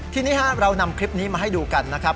ทีนี้เรานำคลิปนี้มาให้ดูกันนะครับ